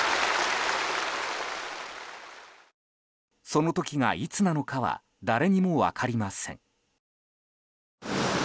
その時がいつなのかは誰にも分かりません。